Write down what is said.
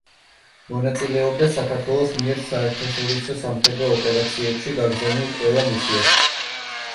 მონაწილეობდა საქართველოს მიერ საერთაშორისო სამხედრო ოპერაციებში გაგზავნილ ყველა მისიაში.